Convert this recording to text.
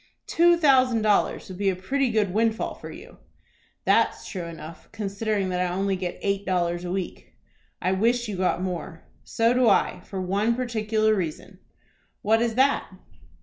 "Two thousand dollars would be a pretty good windfall for you." "That's true enough, considering that I only get eight dollars a week." "I wish you got more." "So do I, for one particular reason." "What is that?"